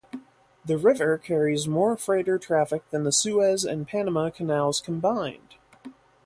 The river carries more freighter traffic than the Suez and Panama Canals combined.